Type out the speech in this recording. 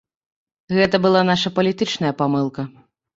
Гэта была наша палітычная памылка.